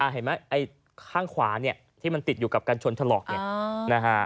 เห็นไหมไอ้ข้างขวาเนี่ยที่มันติดอยู่กับการชนถลอกเนี่ยนะฮะ